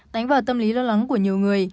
đánh vào tâm lý lo lắng của nhiều người